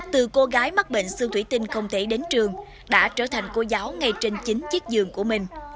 từ cô gái mắc bệnh sương thủy tinh không thể đến trường đã trở thành cô giáo ngay trên chính chiếc giường của mình